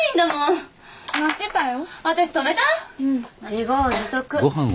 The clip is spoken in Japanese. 自業自得。